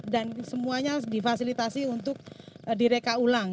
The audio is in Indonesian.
dan semuanya difasilitasi untuk direka ulang